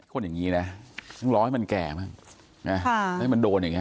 คนอย่างงี้นะต้องรอให้มันแก่มากใช่ไหมค่ะให้มันโดนอย่างงี้